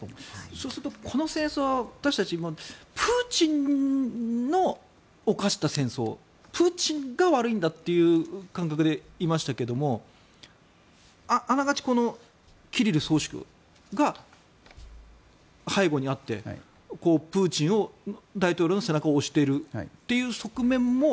そうすると、この戦争は私たちはプーチンの犯した戦争プーチンが悪いんだって感覚でいましたけれどあながちキリル総主教が背後にあってプーチン大統領の背中を押しているという側面も。